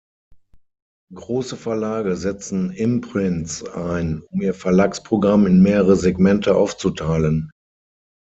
Große Verlage setzen Imprints ein, um ihr Verlagsprogramm in mehrere Segmente aufzuteilen.